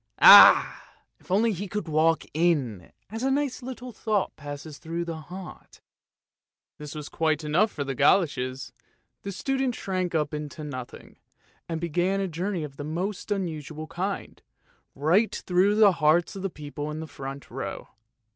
Ah! if only he could walk in, as a nice little thought passes through the heart! " This was quite enough for the goloshes, the student shrank up into nothing, and began a journey of a most unusual kind, right through the hearts of the people in the front row.